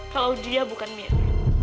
kalau dia bukan mira